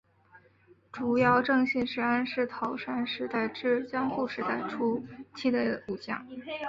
竹腰正信是安土桃山时代至江户时代初期的武将。